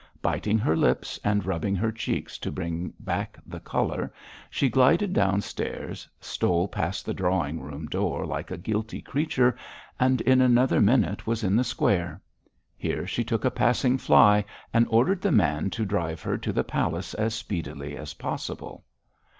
Biting her lips and rubbing her cheeks to bring back the colour, she glided downstairs, stole past the drawing room door like a guilty creature, and in another minute was in the square. Here she took a passing fly, and ordered the man to drive her to the palace as speedily as possible.